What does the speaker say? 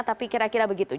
tapi kira kira begitu